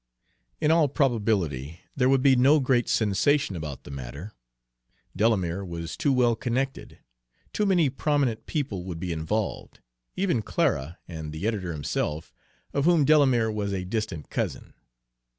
In all probability there would be no great sensation about the matter. Delamere was too well connected; too many prominent people would be involved even Clara, and the editor himself, of whom Delamere was a distant cousin.